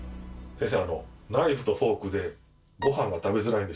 ⁉先生。